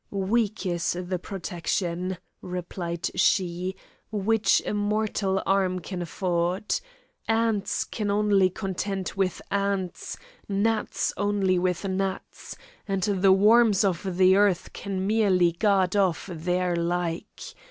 "Weak is the protection," replied she, "which a mortal arm can afford! Ants can only contend with ants, gnats only with gnats, and all the worms of the earth can merely guard off their like.